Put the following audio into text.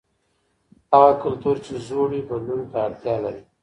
هغه کلتور چې زوړ وي بدلون ته اړتیا لري.